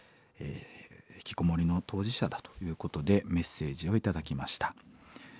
ひきこもりの当事者だということでメッセージを頂きました。